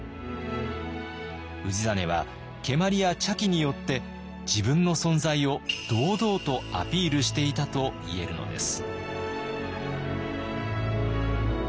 氏真は蹴鞠や茶器によって自分の存在を堂々とアピールしていたといえるのです。